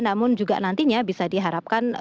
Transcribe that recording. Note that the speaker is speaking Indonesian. namun juga nantinya bisa diharapkan